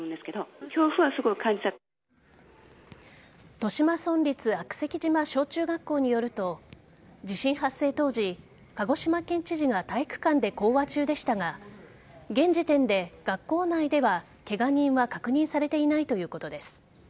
十島村立悪石島小中学校によると地震発生当時鹿児島県知事が体育館で講話中でしたが現時点で学校内では、ケガ人は確認されていないということです。